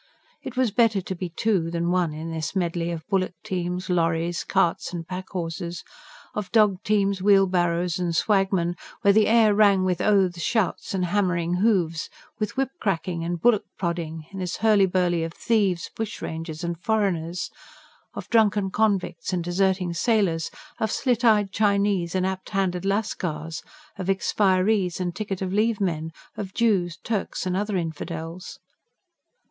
It was better to be two than one in this medley of bullock teams, lorries, carts and pack horses, of dog teams, wheelbarrows and swagmen, where the air rang with oaths, shouts and hammering hoofs, with whip cracking and bullock prodding; in this hurly burly of thieves, bushrangers and foreigners, of drunken convicts and deserting sailors, of slit eyed Chinese and apt handed Lascars, of expirees and ticket of leave men, of Jews, Turks and other infidels.